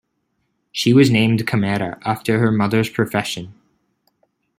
She was named Camera after her mother's profession.